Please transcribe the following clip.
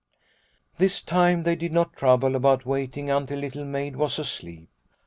Snow White 57 This time they did not trouble about waiting until Little Maid was asleep.